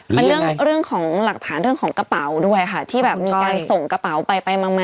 เป็นเรื่องของหลักฐานเรื่องของกระเป๋าด้วยค่ะที่แบบมีการส่งกระเป๋าไปไปมา